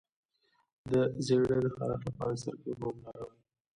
د زیړي د خارښ لپاره د سرکې اوبه وکاروئ